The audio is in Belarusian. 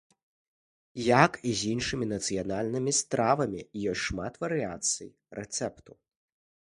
Як і з іншымі нацыянальнымі стравамі, ёсць шмат варыяцый рэцэпту.